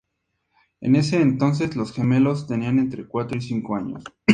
En ese entonces, los gemelos tenían entre cuatro y cinco años.